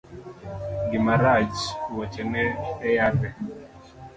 Gima rach, wuoche ne e yadhe.